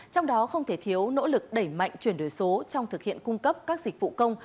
trong đó không thể thiếu nỗ lực đẩy mạnh chuyển đổi số trong thực hiện cung cấp các dịch vụ công